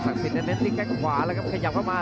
ศักดิ์ศิลป์เน็ตในแข่งขวาแล้วก็ขยับเข้ามา